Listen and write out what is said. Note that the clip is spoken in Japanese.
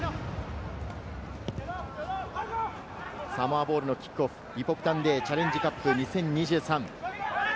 サモアボールのキックオフ、リポビタンＤチャレンジカップ２０２３。